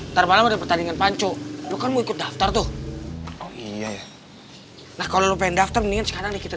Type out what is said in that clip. nah kalau lo pengen daftar mendingan sekarang deh kita